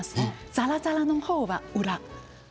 ざらざらの方は裏。